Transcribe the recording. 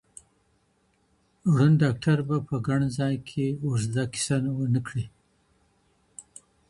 ړوند ډاکټر به په ګڼ ځای کي اوږده کیسه ونه کړي.